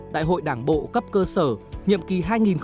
đại hội đảng bộ cấp cơ sở nhiệm kỳ hai nghìn hai mươi hai nghìn hai mươi năm